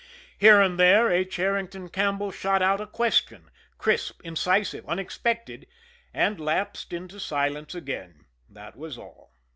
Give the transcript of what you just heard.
Here and there, H. Herrington Campbell shot out a question, crisp, incisive, unexpected, and lapsed into silence again that was all.